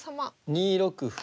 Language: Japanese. ２六歩。